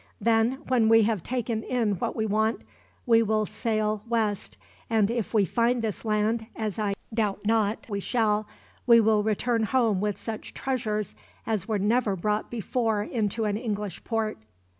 "Then, when we have taken in what we want, we will sail west; and if we find this land, as I doubt not we shall, we will return home with such treasures as were never brought before into an English port.